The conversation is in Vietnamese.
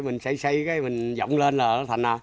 mình xây xây cái mình dọng lên là nó thành